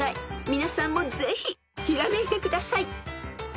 皆さんもぜひひらめいてください］